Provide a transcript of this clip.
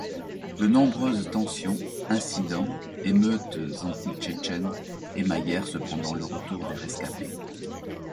De nombreuses tensions, incidents, émeutes anti-tchétchènes émaillèrent cependant le retour des rescapés.